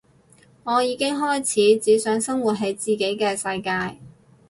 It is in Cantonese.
我已經開始只想生活喺自己嘅世界